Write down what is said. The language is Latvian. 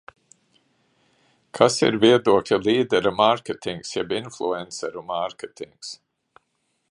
Kas ir viedokļa līdera mārketings jeb influenceru mārketings?